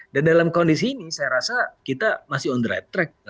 dan dalam kondisi ini saya rasa kita masih on the right track